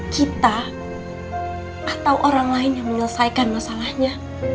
kita atau orang lain yang menyelesaikan masalahnya